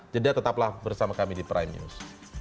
jadi tetaplah bersama kami di prime news